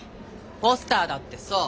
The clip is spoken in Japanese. ポスターだってそう！